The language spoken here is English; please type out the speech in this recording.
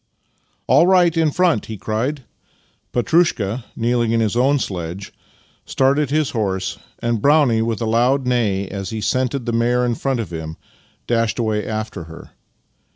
" All right in front! " he cried. Petrushka, kneel ing in his own sledge, started his horse, and Brownie, with a loud neigh as he scented the mare in front of him, dashed away after her.